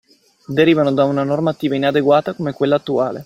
Derivano da una normativa inadeguata come quella attuale.